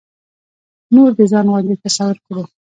نور د ځان غوندې تصور کړو.